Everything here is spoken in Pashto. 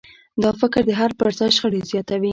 دا فکر د حل پر ځای شخړې زیاتوي.